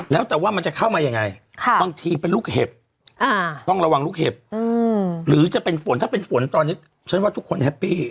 แล้วแต่ว่ามันจะเข้ามายังไงบางทีเป็นลูกเห็บต้องระวังลูกเห็บหรือจะเป็นฝนถ้าเป็นฝนตอนนี้ฉันว่าทุกคนแฮปปี้